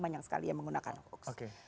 banyak sekali yang menggunakan hoax